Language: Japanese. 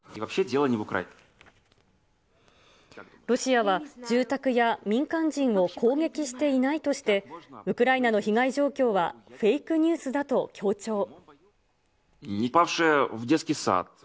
ロシアは住宅や民間人を攻撃していないとして、ウクライナの被害状況はフェークニュースだと強調。